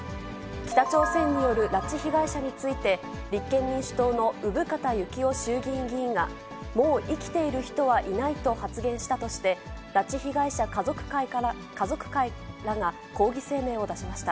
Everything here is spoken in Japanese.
北朝鮮による拉致被害者について、立憲民主党の生方幸夫衆議院議員が、もう生きている人はいないと発言したとして、拉致被害者家族会らが抗議声明を出しました。